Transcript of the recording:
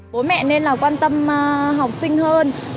bố mẹ nên quan tâm học sinh hơn